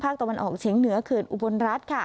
ตะวันออกเฉียงเหนือเขื่อนอุบลรัฐ